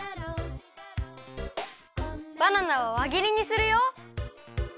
バナナはわぎりにするよ。